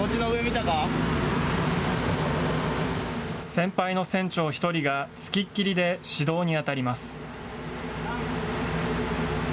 先輩の船長１人が付きっきりで指導に当たります。